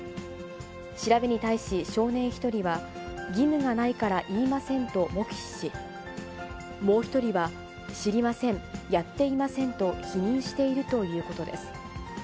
調べに対し少年１人は、義務がないから言いませんと、黙秘し、もう１人は、知りません、やっていませんと否認しているということです。